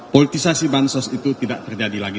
politisasi bansos itu tidak terjadi lagi